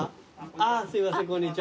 すいませんこんにちは。